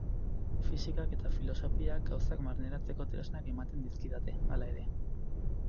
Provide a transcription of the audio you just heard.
Fisikak eta filosofiak gauzak barneratzeko tresnak ematen dizkidate, hala ere.